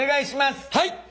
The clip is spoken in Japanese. はい。